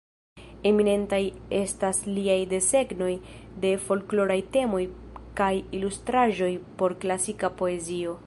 Eminentaj estas liaj desegnoj de folkloraj temoj kaj ilustraĵoj por klasika poezio.